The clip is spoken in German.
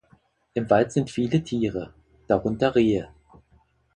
Im Wald sind viele Tiere darunter Rehe